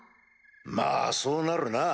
まぁそうなるな。